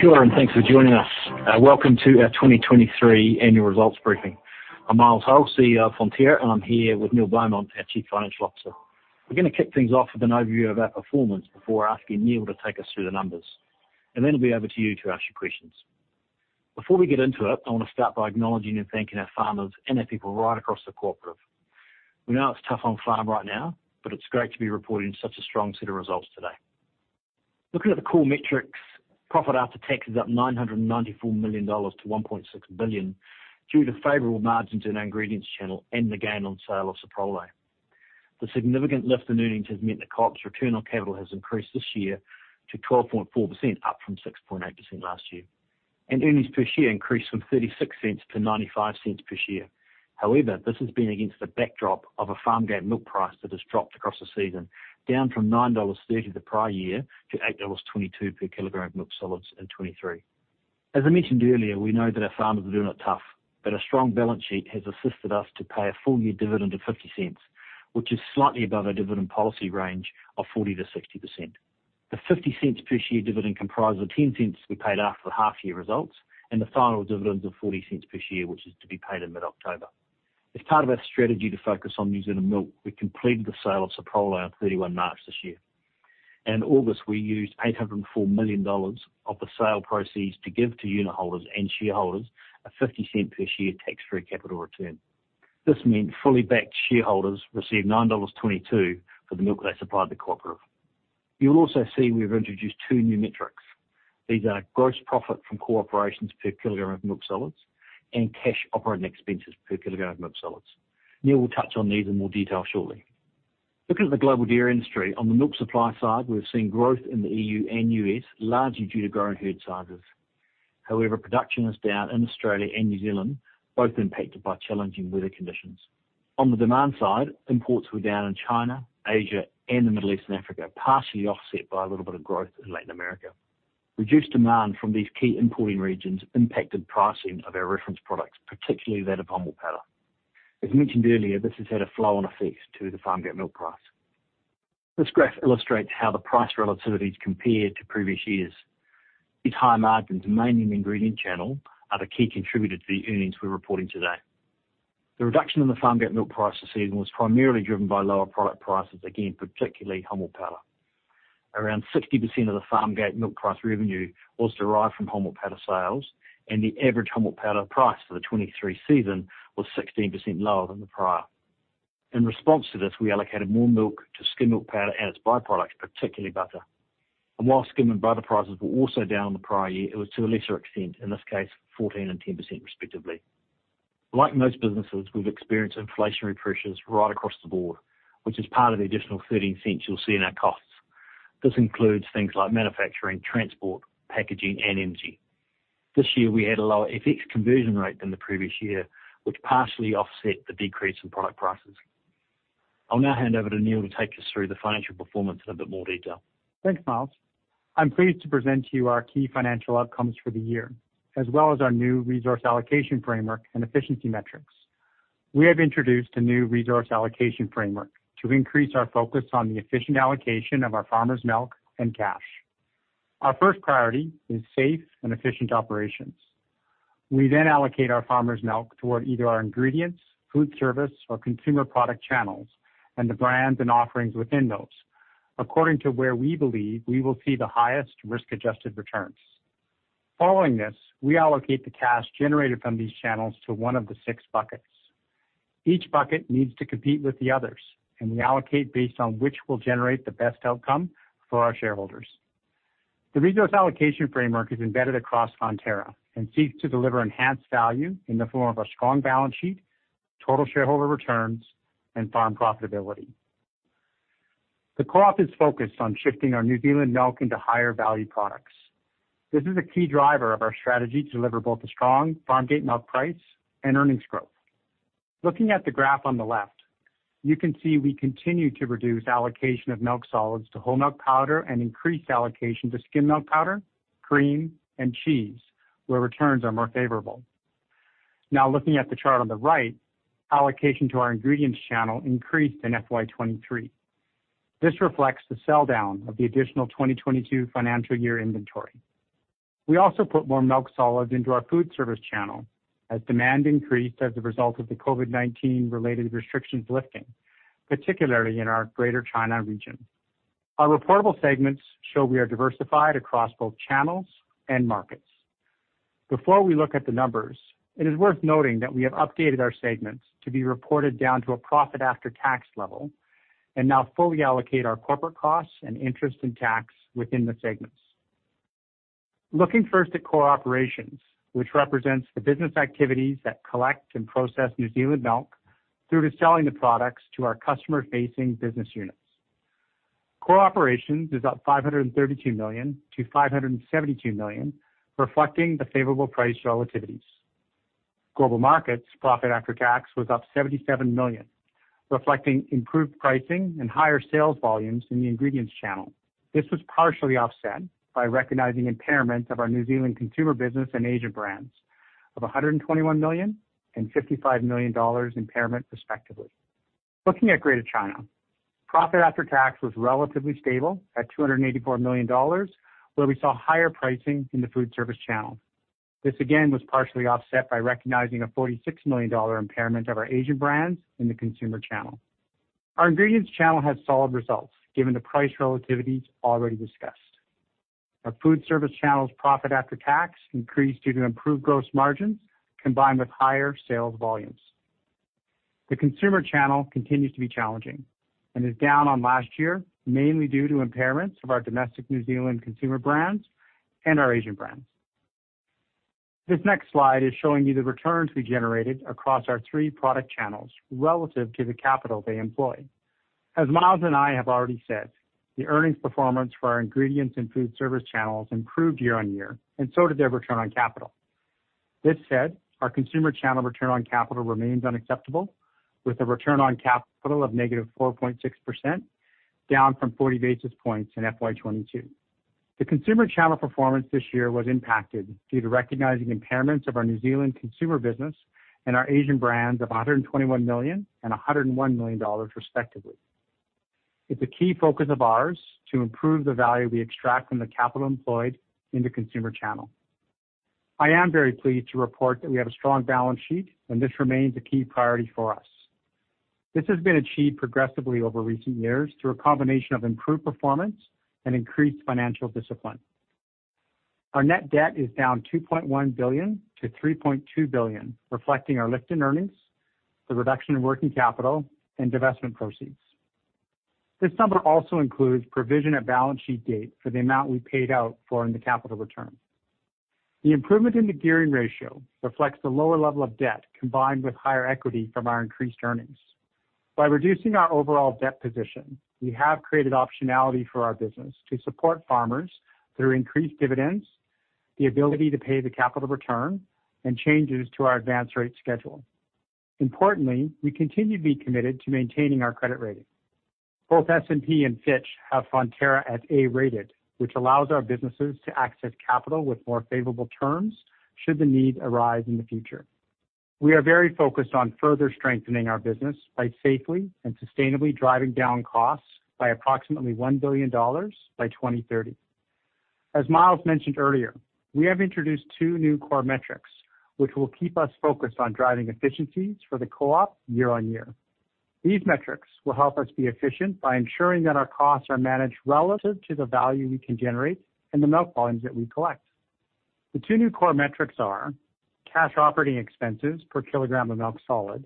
Sure, and thanks for joining us. Welcome to our 2023 annual results briefing. I'm Miles Hurrell, CEO of Fonterra, and I'm here with Neil Beaumont, our Chief Financial Officer. we’re going to kick things off with an overview of our performance before asking Neil to take us through the numbers, and then it'll be over to you to ask your questions. Before we get into it, I want to start by acknowledging and thanking our farmers and our people right across the co-operative. We know it's tough on farm right now, but it's great to be reporting such a strong set of results today. Looking at the core metrics, profit after tax is up 994 million dollars to 1.6 billion, due to favorable margins in our ingredients channel and the gain on sale of Soprole. The significant lift in earnings has meant the co-op's return on capital has increased this year to 12.4%, up from 6.8% last year, and earnings per share increased from 0.36 to 0.95 per share. However, this has been against the backdrop of a Farmgate Milk Price that has dropped across the season, down from 9.30 dollars the prior year to 8.22 dollars per kilogram of milk solids in 2023. As I mentioned earlier, we know that our farmers are doing it tough, but a strong balance sheet has assisted us to pay a full-year dividend of 0.50, which is slightly above our dividend policy range of 40%-60%. The 0.50 per share dividend comprises of 0.10 to be paid after the half-year results, and the final dividend of 0.40 per share, which is to be paid in mid-October. As part of our strategy to focus on New Zealand milk, we completed the sale of Soprole on 31 March this year. In August, we used 804 million dollars of the sale proceeds to give to unitholders and shareholders a 0.50 per share tax-free capital return. This meant fully backed shareholders received 9.22 dollars for the milk they supplied the co-operative. You'll also see we've introduced two new metrics. These are gross profit from core operations per kilogram of milk solids and cash operating expenses per kilogram of milk solids. Neil will touch on these in more detail shortly. Looking at the global dairy industry, on the milk supply side, we've seen growth in the E.U. and U.S., largely due to growing herd sizes. However, production is down in Australia and New Zealand, both impacted by challenging weather conditions. On the demand side, imports were down in China, Asia, and the Middle East and Africa, partially offset by a little bit of growth in Latin America. Reduced demand from these key importing regions impacted pricing of our reference products, particularly that of whole milk powder. As mentioned earlier, this has had a flow-on effect to the farm gate milk price. This graph illustrates how the price relativity is compared to previous years. These high margins, mainly in the ingredient channel, are the key contributor to the earnings we're reporting today. The reduction in the farmgate milk price this season was primarily driven by lower product prices, again, particularly whole milk powder. Around 60% of the farmgate milk price revenue was derived from whole milk powder sales, and the average whole milk powder price for the 2023 season was 16% lower than the prior. In response to this, we allocated more milk to skim milk powder and its byproducts, particularly butter. And while skim and butter prices were also down in the prior year, it was to a lesser extent, in this case, 14% and 10% respectively. Like most businesses, we've experienced inflationary pressures right across the board, which is part of the additional NZ$0.13 you'll see in our costs. This includes things like manufacturing, transport, packaging, and energy. This year, we had a lower FX conversion rate than the previous year, which partially offset the decrease in product prices. I'll now hand over to Neil to take us through the financial performance in a bit more detail. Thanks, Miles. I'm pleased to present to you our key financial outcomes for the year, as well as our new Resource Allocation Framework and efficiency metrics. We have introduced a new Resource Allocation Framework to increase our focus on the efficient allocation of our farmers' milk and cash. Our first priority is safe and efficient operations. We then allocate our farmers' milk toward either our Ingredients, Foodservice, or Consumer channels, and the brands and offerings within those, according to where we believe we will see the highest risk-adjusted returns. Following this, we allocate the cash generated from these channels to one of the six buckets. Each bucket needs to compete with the others, and we allocate based on which will generate the best outcome for our shareholders. The resource allocation framework is embedded across Fonterra and seeks to deliver enhanced value in the form of a strong balance sheet, total shareholder returns, and farm profitability. The co-op is focused on shifting our New Zealand milk into higher value products. This is a key driver of our strategy to deliver both a strong farmgate milk price and earnings growth. Looking at the graph on the left, you can see we continue to reduce allocation of milk solids to whole milk powder and increase allocation to skim milk powder, cream, and cheese, where returns are more favorable. Now, looking at the chart on the right, allocation to our ingredients channel increased in FY 2023. This reflects the sell-down of the additional 2022 financial year inventory. We also put more milk solids into our Foodservice Channel as demand increased as a result of the COVID-19-related restrictions lifting, particularly in our Greater China region. Our reportable segments show we are diversified across both channels and markets. Before we look at the numbers, it is worth noting that we have updated our segments to be reported down to a profit after tax level, and now fully allocate our corporate costs and interest and tax within the segments. Looking first at core operations, which represents the business activities that collect and process New Zealand milk through to selling the products to our customer-facing business units. Core operations is up 532 million-572 million, reflecting the favorable price relativities. Global Markets' profit after tax was up 77 million, reflecting improved pricing and higher sales volumes in the Ingredients Channel. This was partially offset by recognizing impairment of our New Zealand consumer business and Asia brands of 121 million and 55 million dollars impairment, respectively. Looking at Greater China, profit after tax was relatively stable at 284 million dollars, where we saw higher pricing in the food service channel. This again, was partially offset by recognizing a 46 million dollar impairment of our Asian brands in the consumer channel. Our ingredients channel had solid results, given the price relativities already discussed. Our food service channel's profit after tax increased due to improved gross margins, combined with higher sales volumes. The consumer channel continues to be challenging and is down on last year, mainly due to impairments of our domestic New Zealand consumer brands and our Asian brands. This next slide is showing you the returns we generated across our three product channels relative to the capital they employ. As Miles and I have already said, the earnings performance for our ingredients and food service channels improved year-on-year, and so did their return on capital. This said, our consumer channel return on capital remains unacceptable, with a return on capital of -4.6%, down from 40 basis points in FY 2022. The consumer channel performance this year was impacted due to recognizing impairments of our New Zealand consumer business and our Asian brands of 121 million and 101 million dollars, respectively. It's a key focus of ours to improve the value we extract from the capital employed in the consumer channel. I am very pleased to report that we have a strong balance sheet, and this remains a key priority for us. This has been achieved progressively over recent years through a combination of improved performance and increased financial discipline. Our net debt is down 2.1 billion to 3.2 billion, reflecting our lift in earnings, the reduction in working capital, and divestment proceeds. This number also includes provision at balance sheet date for the amount we paid out for in the capital return. The improvement in the gearing ratio reflects the lower level of debt, combined with higher equity from our increased earnings. By reducing our overall debt position, we have created optionality for our business to support farmers through increased dividends, the ability to pay the capital return, and changes to our advance rate schedule. Importantly, we continue to be committed to maintaining our credit rating. Both S&P and Fitch have Fonterra as A-rated, which allows our businesses to access capital with more favorable terms should the need arise in the future. We are very focused on further strengthening our business by safely and sustainably driving down costs by approximately 1 billion dollars by 2030. As Miles mentioned earlier, we have introduced two new core metrics, which will keep us focused on driving efficiencies for the co-op year on year. These metrics will help us be efficient by ensuring that our costs are managed relative to the value we can generate and the milk volumes that we collect. The two new core metrics are: cash operating expenses per kilogram of milk solids,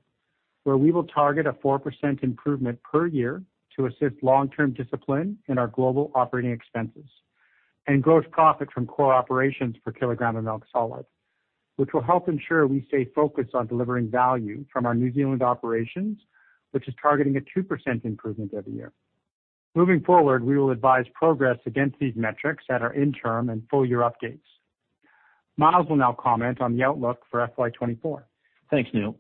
where we will target a 4% improvement per year to assist long-term discipline in our global operating expenses, and gross profit from core operations per kilogram of milk solids, which will help ensure we stay focused on delivering value from our New Zealand operations, which is targeting a 2% improvement every year. Moving forward, we will advise progress against these metrics at our interim and full year updates. Miles will now comment on the outlook for FY 2024. Thanks, Neil.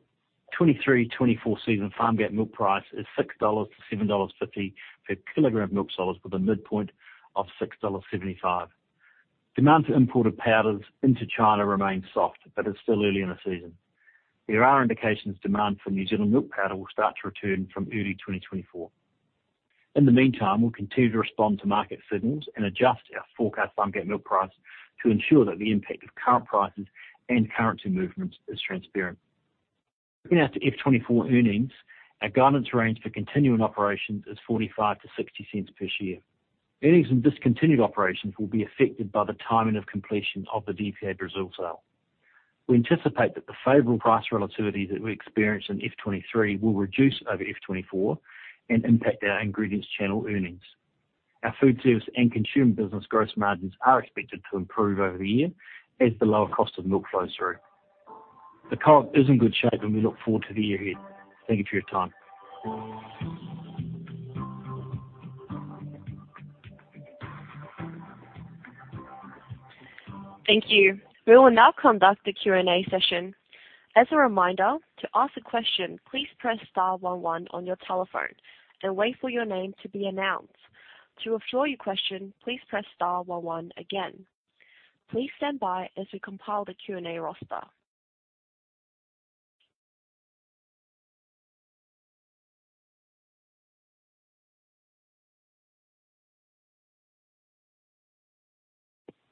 2023-2024 season farmgate milk price is 6.00-7.50 dollars per kilogram of milk solids, with a midpoint of 6.75 dollars. Demand for imported powders into China remains soft, but it's still early in the season. There are indications demand for New Zealand milk powder will start to return from early 2024. In the meantime, we'll continue to respond to market signals and adjust our forecast farmgate milk price to ensure that the impact of current prices and currency movements is transparent. Looking out to FY2024 earnings, our guidance range for continuing operations is 0.45-0.60 per share. Earnings in discontinued operations will be affected by the timing of completion of the DPA Brazil sale. We anticipate that the favorable price relativity that we experienced in FY2023 will reduce over FY2024 and impact our ingredients channel earnings. Our Foodservice and Consumer business gross margins are expected to improve over the year as the lower cost of milk flows through. The co-op is in good shape, and we look forward to the year ahead. Thank you for your time. Thank you. We will now conduct the Q&A session. As a reminder, to ask a question, please press star one one on your telephone and wait for your name to be announced. To withdraw your question, please press star one one again. Please stand by as we compile the Q&A roster.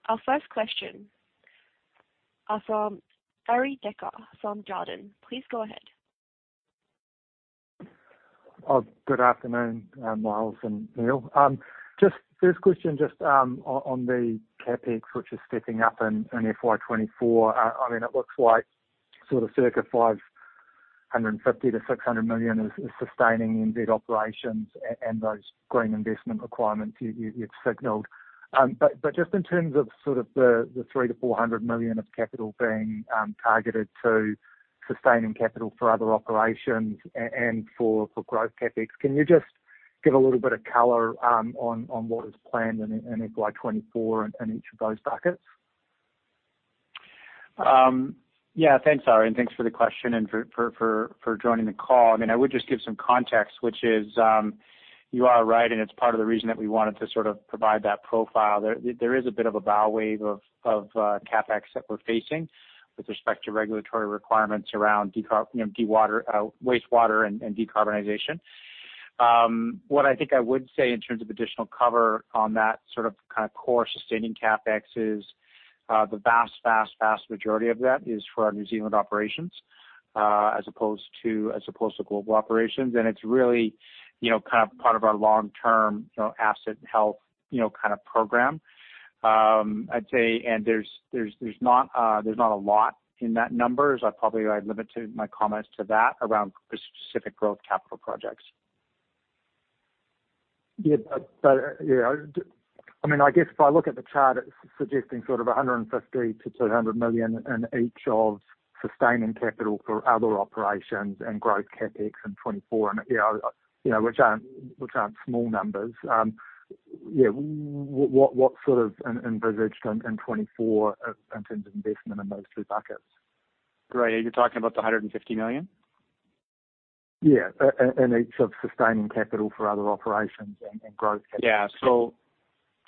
Our first question is from Ari Dekker from Jarden. Please go ahead. Good afternoon, Miles and Neil. Just first question, just on the CapEx, which is stepping up in FY 2024. I mean, it looks like sort of circa 550-600 million is sustaining NZ operations and those green investment requirements you've signaled. But just in terms of sort of the 300-400 million of capital being targeted to sustaining capital for other operations and for growth CapEx, can you just give a little bit of color on what is planned in FY 2024 in each of those buckets? thanks, Ari, and thanks for the question and for joining the call. I mean, I would just give some context, which is, you are right, and it's part of the reason that we wanted to sort of provide that profile. There is a bit of a bow wave of CapEx that we're facing with respect to regulatory requirements around decarb the water, wastewater and decarbonization. What I think I would say in terms of additional cover on that sort of kind of core sustaining CapEx is the vast, vast, vast majority of that is for our New Zealand operations as opposed to global operations. And it's really, kind of part of our long-term asset health, kind of program. I'd say there's not, there's not a lot in that number, so I probably I'd limit my comments to that around the specific growth capital projects. I guess if I look at the chart, it's suggesting sort of 150 million-200 million in each of sustaining capital for other operations and growth CapEx in 2024, and, which aren't small numbers.. What, what's sort of envisaged in 2024 in terms of investment in those two buckets? Great. Are you talking about the 150 million? it's of sustaining capital for other operations and growth CapEx.. So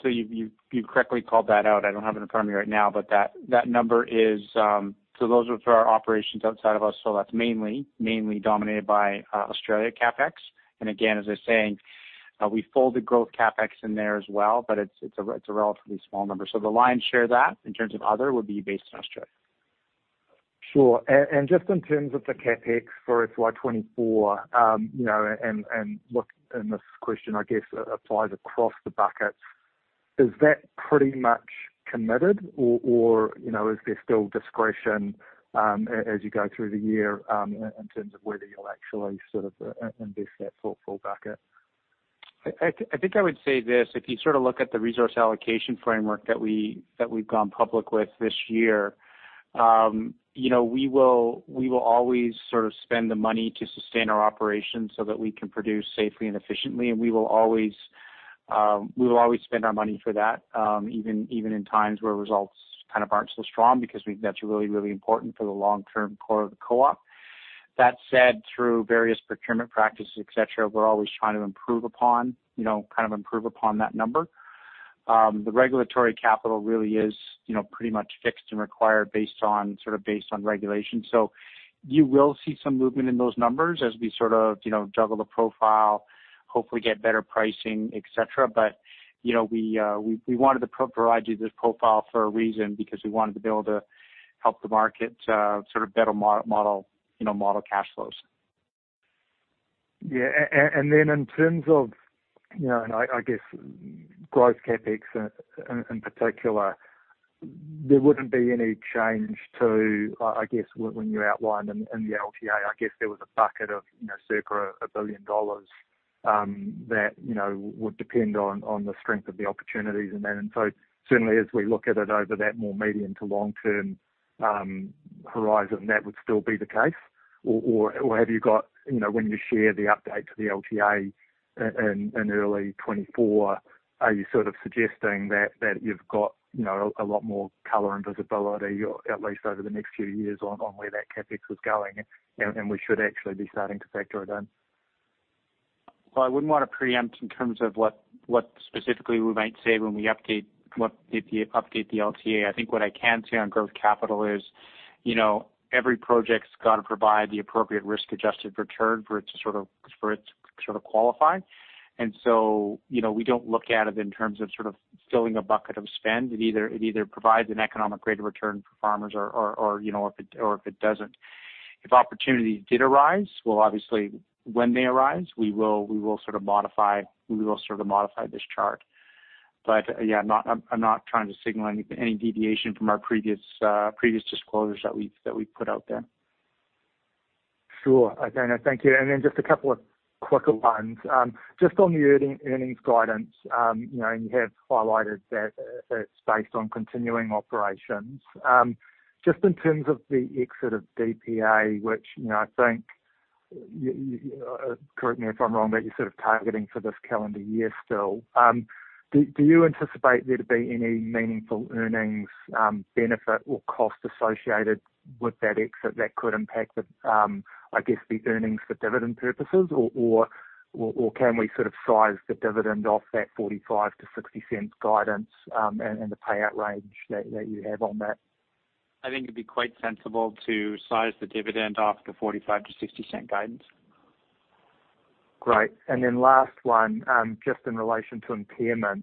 you've correctly called that out. I don't have it in front of me right now, but that number, So those are for our operations outside of us. So that's mainly dominated by Australia CapEx. And again, as I was saying, we fold the growth CapEx in there as well, but it's a relatively small number. So the lion's share of that, in terms of other, would be based in Australia. Sure. And just in terms of the CapEx for FY 2024, look, this question, I guess, applies across the buckets: Is that pretty much committed or, is there still discretion, as you go through the year, in terms of whether you'll actually sort of invest that full bucket? I would say this: If you sort of look at the Resource Allocation Framework that we've gone public with this year, we will always sort of spend the money to sustain our operations so that we can produce safely and efficiently. And we will always spend our money for that, even in times where results kind of aren't so strong, because that's really, really important for the long-term core of the co-op. That said, through various procurement practices, et cetera, we're always trying to improve upon, kind of improve upon that number. The regulatory capital really is, pretty much fixed and required based on, sort of, based on regulation. You will see some movement in those numbers as we sort of, juggle the profile, hopefully get better pricing, et cetera. But, we wanted to provide you this profile for a reason, because we wanted to be able to help the market, sort of better model, model cash flows.. And then in terms of, and I guess growth CapEx, in particular, there wouldn't be any change to. I guess when you outlined in the LTA, I guess there was a bucket of, over 1 billion dollars, that would depend on the strength of the opportunities in that. And so certainly as we look at it over that more medium to long-term horizon, that would still be the case? Or have you got, when you share the update to the LTA in early 2024, are you sort of suggesting that you've got, a lot more color and visibility, or at least over the next few years, on where that CapEx is going, and we should actually be starting to factor it in? Well, I wouldn't want to preempt in terms of what specifically we might say when we update the LTA. I think what I can say on growth capital is, every project's got to provide the appropriate risk-adjusted return for it to sort of qualify. And so, we don't look at it in terms of sort of filling a bucket of spend. It either provides an economic rate of return for farmers or, if it doesn't. If opportunities did arise, well, obviously, when they arise, we will sort of modify this chart. But I'm not trying to signal any deviation from our previous, previous disclosures that we, that we've put out there. Sure. Okay, thank you. Just a couple of quicker ones. Just on the earnings guidance, and you have highlighted that it's based on continuing operations. Just in terms of the exit of DPA, which, I think, correct me if I'm wrong, but you're sort of targeting for this calendar year still. Do you anticipate there to be any meaningful earnings benefit or cost associated with that exit that could impact the, I guess, the earnings for dividend purposes, or can we sort of size the dividend off that 0.45-0.60 guidance, and the payout range that you have on that? I think it'd be quite sensible to size the dividend off the 45-60 cent guidance. Great. Last one, just in relation to impairments.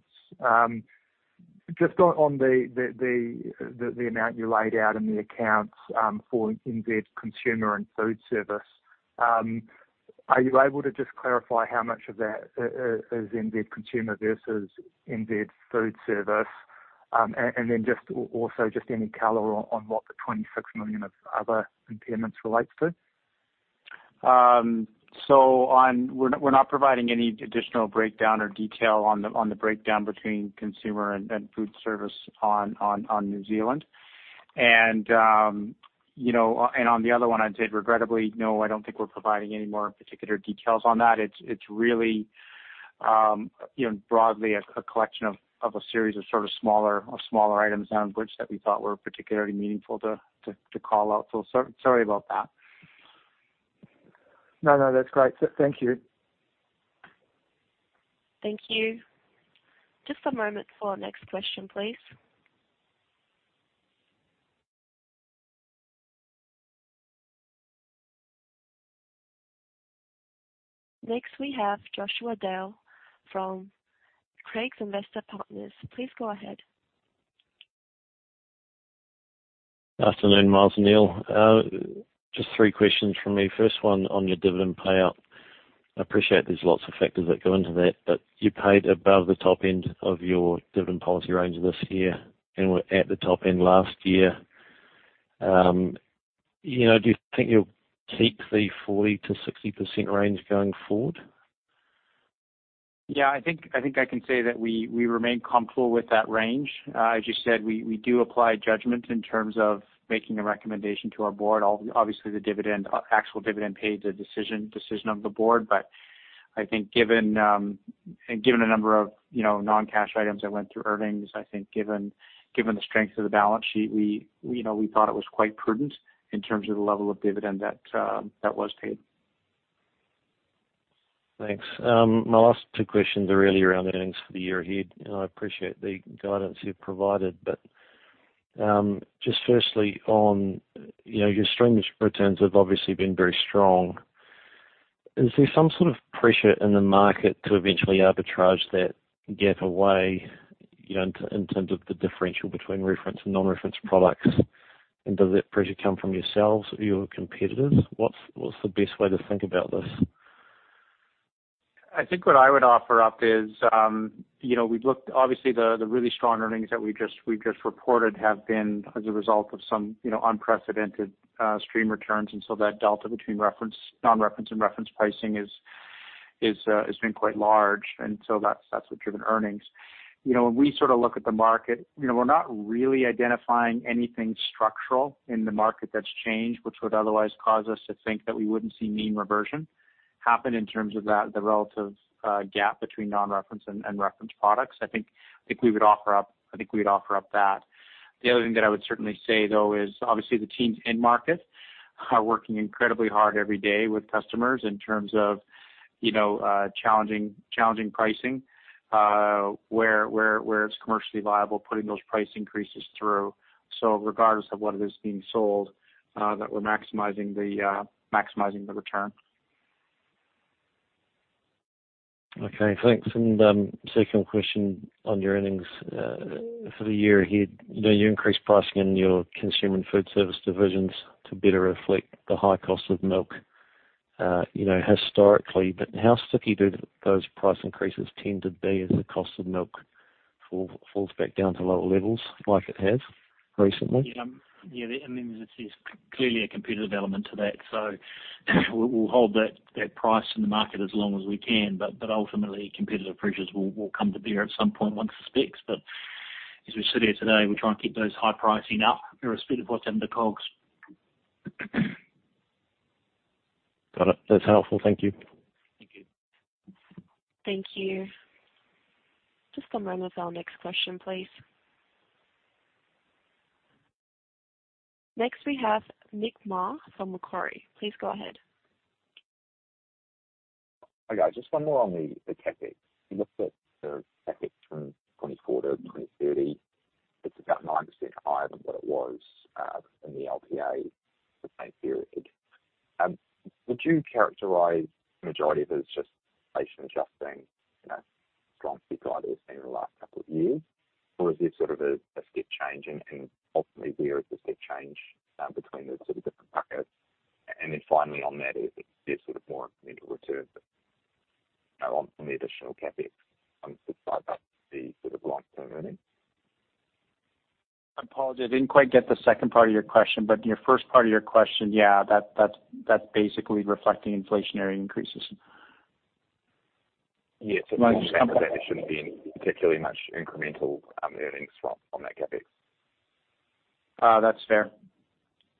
Just on the amount you laid out in the accounts for NZ Consumer and food service, are you able to just clarify how much of that is NZ Consumer versus NZ Foodservice? Also, just any color on what the 26 million of other impairments relates to. We're not, we're not providing any additional breakdown or detail on the, on the breakdown between consumer and, and food service on, on, on New Zealand. And, and on the other one, I said regrettably, no, I don't think we're providing any more particular details on that. It's, it's really, broadly a, a collection of, of a series of sort of smaller, of smaller items on which that we thought were particularly meaningful to, to, to call out. So, sorry about that. No, no, that's great. So thank you. Thank you. Just a moment for our next question, please. Next, we have Joshua Dale from Craigs Investment Partners. Please go ahead. Afternoon, Miles and Neil. Just three questions from me. First one, on your dividend payout. I appreciate there's lots of factors that go into that, but you paid above the top end of your dividend policy range this year and were at the top end last year. do you think you'll keep the 40%-60% range going forward? I think I can say that we remain comfortable with that range. As you said, we do apply judgment in terms of making a recommendation to our board. Obviously, the dividend actual dividend paid is a decision of the board. But I think given a number of, non-cash items that went through earnings, I think given the strength of the balance sheet, we, we thought it was quite prudent in terms of the level of dividend that was paid. Thanks. My last two questions are really around the earnings for the year ahead, and I appreciate the guidance you've provided. But, just firstly, on, your stream returns have obviously been very strong. Is there some sort of pressure in the market to eventually arbitrage that gap away, in terms of the differential between reference and non-reference products? And does that pressure come from yourselves or your competitors? What's the best way to think about this? I think what I would offer up is, we've looked. Obviously, the really strong earnings that we just, we just reported have been as a result of some, unprecedented stream returns, and so that delta between reference, non-reference and reference pricing is, has been quite large, and so that's, that's what driven earnings. when we sort of look at the market, we're not really identifying anything structural in the market that's changed, which would otherwise cause us to think that we wouldn't see mean reversion happen in terms of that, the relative gap between non-reference and reference products. I think, we would offer up- I think we'd offer up that. The other thing that I would certainly say, though, is obviously the teams in-market are working incredibly hard every day with customers in terms of, challenging pricing, where it's commercially viable, putting those price increases through. So regardless of what is being sold, that we're maximizing the return. Okay, thanks. And, second question on your earnings, for the year ahead. you increased pricing in your consumer and food service divisions to better reflect the high cost of milk, historically, but how sticky do those price increases tend to be as the cost of milk falls back down to lower levels, like it has recently? Then there's clearly a competitive element to that. So we'll hold that, that price in the market as long as we can, but, but ultimately, competitive pressures will, will come to bear at some point, one suspects. But as we sit here today, we try and keep those high pricing up, irrespective of what's in the COGS. Got it. That's helpful. Thank you. Thank you. Thank you. Just one moment for our next question, please. Next, we have Nick Maher from Macquarie. Please go ahead. Hi, guys, just one more on the CapEx. You looked at the CapEx from 2024 to 2030. It's about 9% higher than what it was in the LTA for the same period. Would you characterize the majority of it as just inflation adjusting, strong tick that has been in the last couple of years? Or is this sort of a step change and ultimately where is the step change between the sort of different buckets? Finally on that, is there sort of more incremental return that go on from the additional CapEx on the side of the sort of long-term earnings? I apologize. I didn't quite get the second part of your question, but your first part of your question, that, that, that's basically reflecting inflationary increases. Yes. My There shouldn't be particularly much incremental earnings from, on that CapEx. That's fair.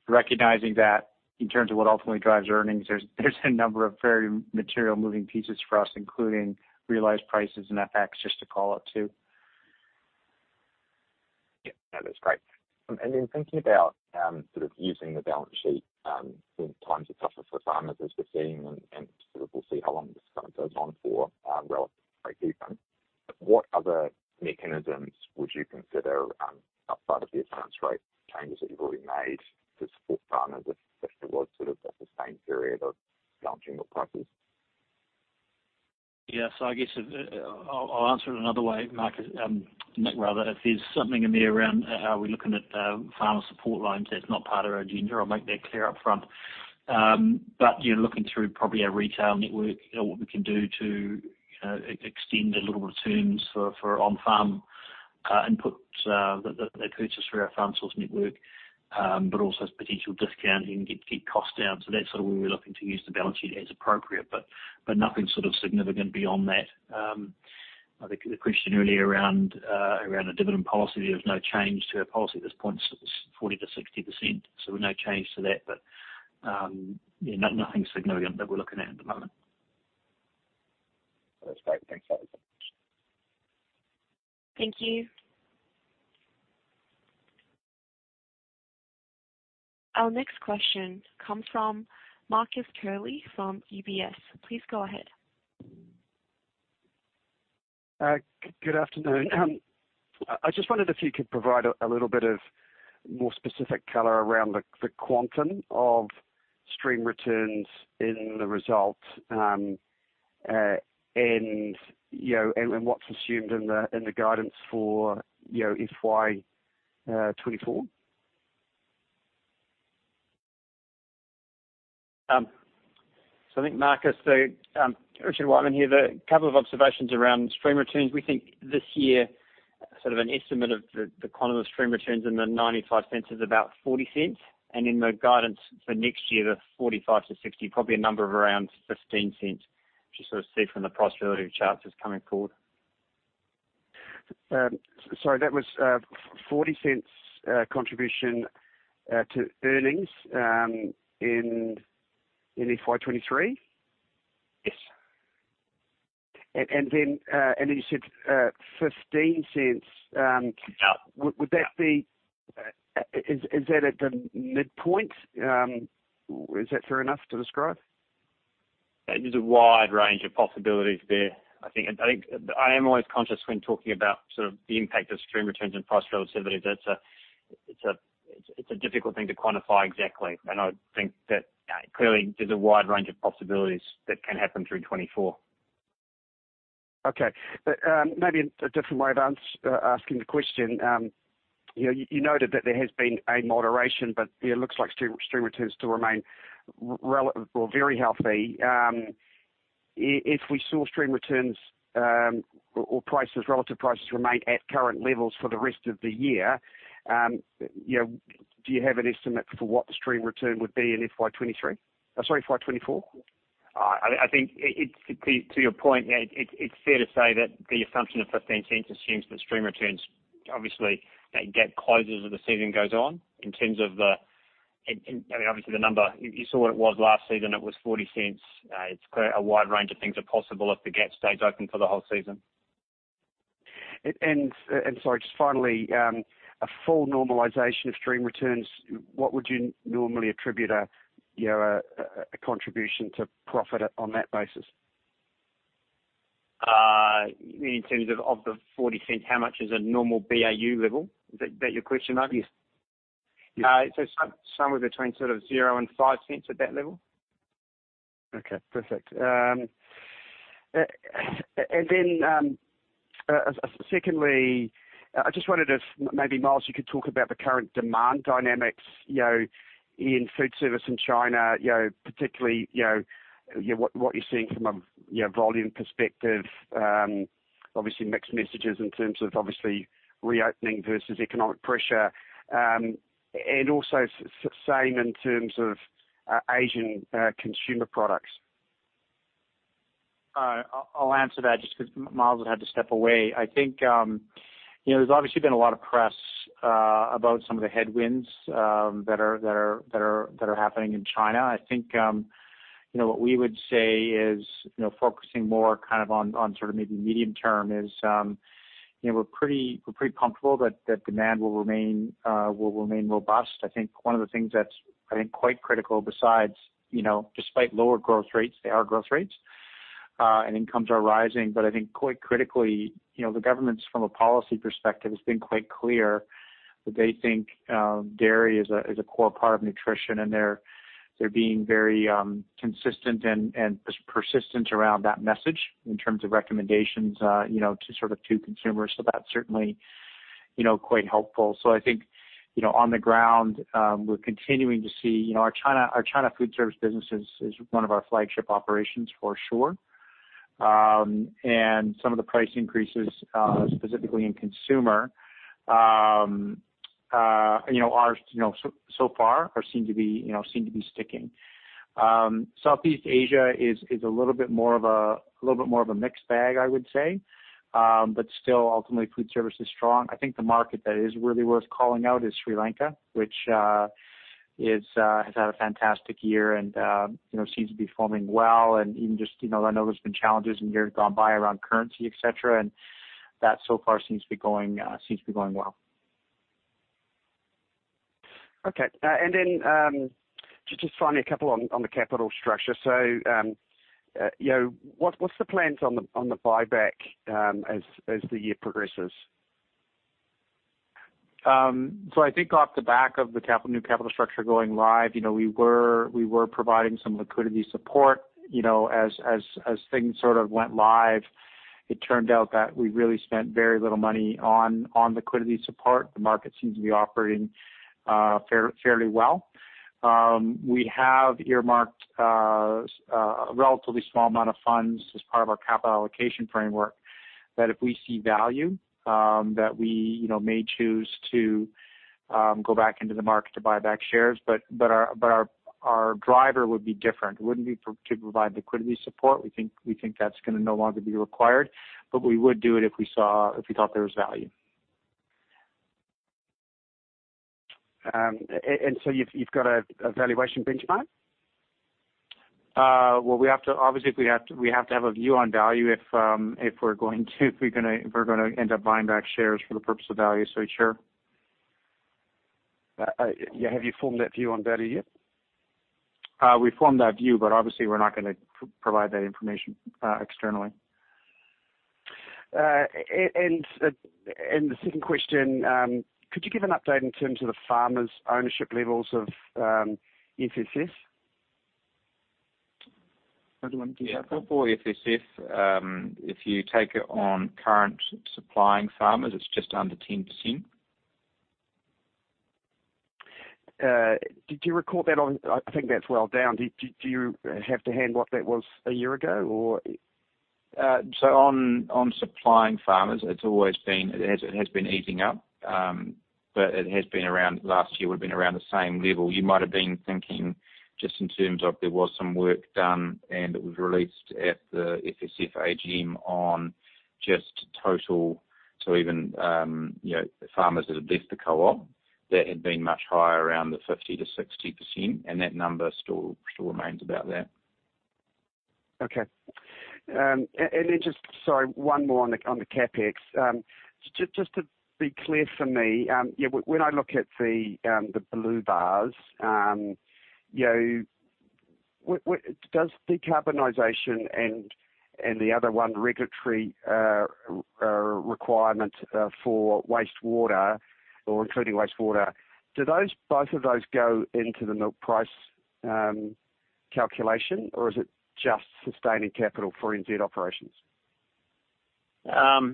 Recognizing that in terms of what ultimately drives earnings, there's a number of very material moving pieces for us, including realized prices and FX, just to call out two. That's great. Then thinking about sort of using the balance sheet in times of tougher for farmers as we're seeing and we'll see how long this kind of goes on for relative breakeven. What other mechanisms would you consider outside of the Advance Rate changes that you've already made to support farmers, if there was sort of the same period of launching your prices?. I guess I'll answer it another way, Nick. If there's something in there around how we're looking at farmer support lines, that's not part of our agenda. I'll make that clear up front. You're looking through probably our retail network and what we can do to extend the little returns for on-farm inputs that they purchase through our Farm Source network, but also potential discounting, get costs down. That's sort of where we're looking to use the balance sheet as appropriate, but nothing significant beyond that. I think the question earlier around a dividend policy, there's no change to our policy. At this point, it's 40%-60%, so no change to that. nothing significant that we're looking at at the moment. That's great. Thanks a lot. Thank you. Our next question comes from Marcus Curley from UBS. Please go ahead. Good afternoon. I just wondered if you could provide a little bit more specific color around the quantum of stream returns in the results, and, what's assumed in the guidance for, FY 2024? I think, Marcus, Richard Wyllie here. There are a couple of observations around Stream Returns. We think this year, sort of an estimate of the quantum of Stream Returns in the 0.95 is about 0.40. And in the guidance for next year, the 0.45-0.60, probably a number of around 0.15, just sort of see from the price relative charts is coming forward. Sorry, that was 0.40 contribution to earnings in FY 2023? Yes. And then you said 0.15. Would that be. is that at the midpoint? Is that fair enough to describe? There's a wide range of possibilities there. I think I am always conscious when talking about sort of the impact of stream returns and price relativity. That's a, it's a difficult thing to quantify exactly, and I think that clearly there's a wide range of possibilities that can happen through 2024. Okay. But maybe a different way of asking the question. you noted that there has been a moderation, but it looks like Stream Returns still remain relative or very healthy. If we saw Stream Returns, or prices, relative prices remain at current levels for the rest of the year, do you have an estimate for what the Stream Return would be in FY 2023? Sorry, FY 2024. I think to your point, it's fair to say that the assumption of 0.15 assumes that stream returns, obviously, that gap closes as the season goes on, in terms of the obviously the number, you saw what it was last season, it was 0.40. It's clear a wide range of things are possible if the gap stays open for the whole season. Sorry, just finally, a full normalization of Stream Returns, what would you normally attribute, a contribution to profit on that basis? In terms of, of the 0.40, how much is a normal BAU level? Is that, that your question, Mike? Yes. Somewhere between sort of zero and 5 cents at that level. Okay, perfect. And then, secondly, I just wondered if maybe, Miles, you could talk about the current demand dynamics, in food service in China, particularly, what, what you're seeing from a, volume perspective. Obviously mixed messages in terms of obviously reopening versus economic pressure, and also same in terms of, Asian consumer products. I'll answer that just because Miles had to step away. I think, there's obviously been a lot of press about some of the headwinds that are happening in China. I think, what we would say is, focusing more kind of on, on sort of maybe medium term is, we're pretty comfortable that demand will remain robust. I think one of the things that's, I think, quite critical besides, despite lower growth rates, they are growth rates, and incomes are rising. But I think quite critically, the government's from a policy perspective, has been quite clear that they think, dairy is a, is a core part of nutrition, and they're, they're being very, consistent and, and persistent around that message in terms of recommendations, to sort of to consumers. So that's certainly, quite helpful. So I think, on the ground, we're continuing to see, our China, our China food service business is, is one of our flagship operations for sure. And some of the price increases, specifically in consumer, are, so, so far, are seem to be, seem to be sticking. Southeast Asia is, is a little bit more of a, little bit more of a mixed bag, I would say. But still ultimately food service is strong. I think the market that is really worth calling out is Sri Lanka, which is, has had a fantastic year and, seems to be forming well. And even just, I know there's been challenges in years gone by around currency, et cetera, and that so far seems to be going, seems to be going well. Okay. And then, just, just finally, a couple on, on the capital structure. So, what, what's the plans on the, on the buyback, as, as the year progresses? So I think off the back of the capital, new capital structure going live, we were providing some liquidity support, as things sort of went live, it turned out that we really spent very little money on liquidity support. The market seems to be operating fairly well. We have earmarked a relatively small amount of funds as part of our capital allocation framework, that if we see value, that we, may choose to go back into the market to buy back shares, but our driver would be different. It wouldn't be to provide liquidity support. We think that's gonna no longer be required, but we would do it if we thought there was value. So you've got a valuation benchmark? Well, we have to obviously, if we have to, we have to have a view on value if we're gonna end up buying back shares for the purpose of value. So sure. Have you formed that view on dairy yet? We formed that view, but obviously we're not gonna provide that information externally. The second question, could you give an update in terms of the farmers' ownership levels of FSF? Do you want to give that one?. For FSF, if you take it on current supplying farmers, it's just under 10%. Did you record that on, I think that's well down. Do you have to hand what that was a year ago, or? So on, supplying farmers, it's always been, it has, it has been easing up, but it has been around, last year would've been around the same level. You might have been thinking just in terms of there was some work done, and it was released at the FSF AGM on just total. So even, farmers that have left the co-op, that had been much higher around the 50%-60%, and that number still, still remains about that. Okay. A-and then just, Sorry, one more on the CapEx. Just to be clear for me, when I look at the blue bars, does decarbonization and the other one, regulatory requirement for wastewater or including wastewater, do those, both of those go into the milk price calculation, or is it just sustaining capital for NZ operations? So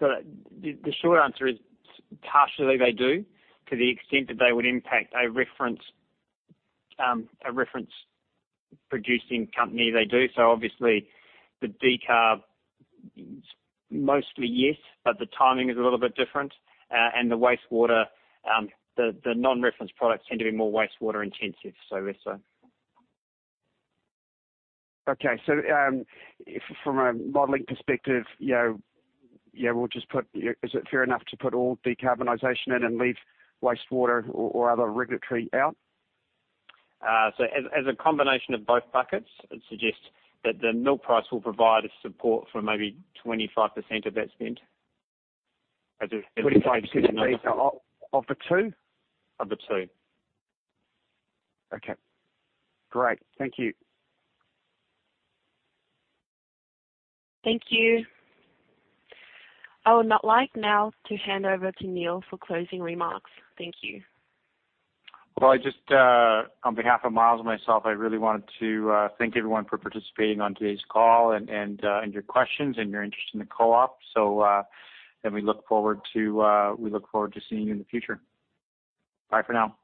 the short answer is partially they do. To the extent that they would impact a reference, a reference producing company, they do. So obviously the decarb, mostly, yes, but the timing is a little bit different. And the wastewater, the non-reference products tend to be more wastewater intensive, so yes, sir. Okay. So, from a modeling perspective, we'll just put Is it fair enough to put all decarbonization in and leave wastewater or, or other regulatory out? As a combination of both buckets, I'd suggest that the milk price will provide a support for maybe 25% of that spend. 25 of the two? Of the two. Okay, great. Thank you. Thank you. I would now like to hand over to Neil for closing remarks. Thank you. Well, I just, on behalf of Miles and myself, I really wanted to, thank everyone for participating on today's call and, and, and your questions and your interest in the co-op. So, and we look forward to, we look forward to seeing you in the future. Bye for now.